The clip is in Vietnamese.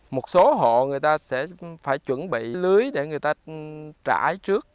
một số hộ người ta sẽ phải chuẩn bị lưới để người ta trải trước